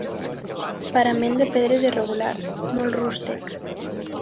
Parament de pedres irregulars, molt rústec.